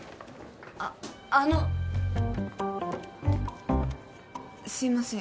ああのすいません